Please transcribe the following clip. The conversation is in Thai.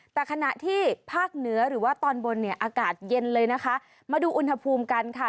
แต่ขณะที่ภาคเหนือหรือว่าตอนบนเนี่ยอากาศเย็นเลยนะคะมาดูอุณหภูมิกันค่ะ